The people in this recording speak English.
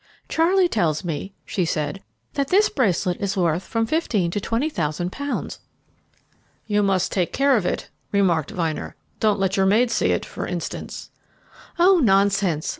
"Charlie tells me," she said, "that this bracelet is worth from fifteen to twenty thousand pounds." "You must take care of it," remarked Vyner; "don't let your maid see it, for instance." "Oh, nonsense!"